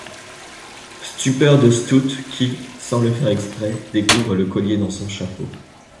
Stupeur de Stout qui, sans le faire exprès, découvre le collier dans son chapeau.